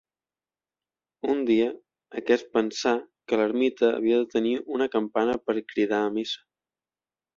Un dia, aquest pensà que l'ermita havia de tenir una campana per cridar a missa.